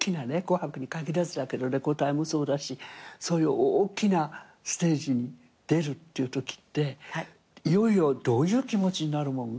『紅白』に限らずだけど『レコ大』もそうだしそういう大きなステージに出るっていうときっていよいよどういう気持ちになるもん？